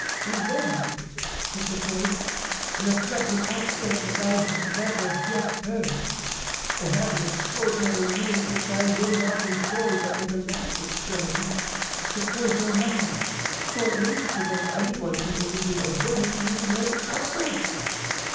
"'Beware!' said the voice, in a threatening accent that I had never yet heard. 'I have an extraordinary means which I will not employ but in the last extremity to close your mouth, or at least to prevent anyone from believing a word you may utter.